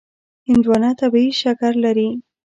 هندوانه طبیعي شکر لري.